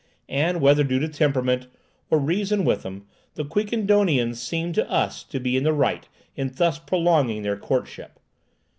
and, whether due to temperament or reason with them, the Quiquendonians seem to us to be in the right in thus prolonging their courtship.